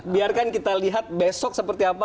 biarkan kita lihat besok seperti apa